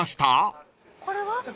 これは？